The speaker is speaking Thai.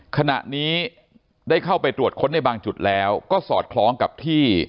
ขณะนี้ได้เข้าไปตรวจค้นในบางจุดแล้วก็สอดคล้องกับที่